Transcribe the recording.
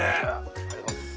ありがとうございます。